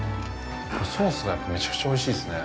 ソースがめちゃくちゃおいしいですね。